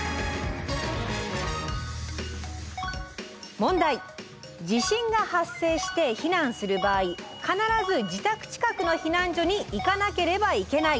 問題「地震が発生して避難する場合必ず自宅近くの避難所に行かなければいけない？」。